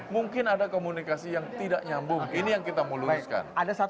mungkin ada komunikasi yang tidak nyambung ini yang kita mau luruskan